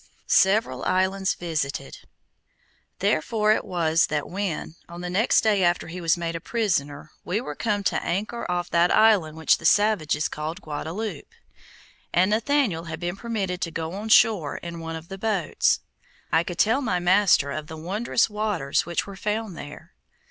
SEVERAL ISLANDS VISITED Therefore it was that when, on the next day after he was made a prisoner, we were come to anchor off that island which the savages called Gaudaloupe, and Nathaniel had been permitted to go on shore in one of the boats, I could tell my master of the wondrous waters which were found there.